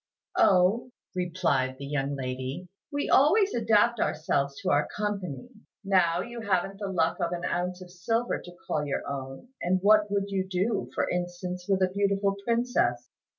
"Oh," replied the young lady, "we always adapt ourselves to our company. Now you haven't the luck of an ounce of silver to call your own; and what would you do, for instance, with a beautiful princess?